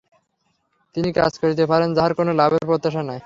তিনিই কাজ করিতে পারেন, যাঁহার কোন লাভের প্রত্যাশা নাই।